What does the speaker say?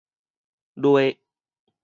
笠